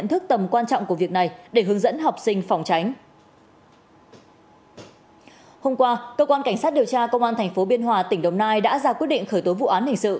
hôm qua cơ quan cảnh sát điều tra công an tp biên hòa tỉnh đồng nai đã ra quyết định khởi tố vụ án hình sự